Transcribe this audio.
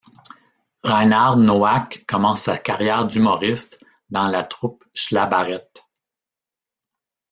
Reinhard Nowak commence sa carrière d'humoriste dans la troupe Schlabarett.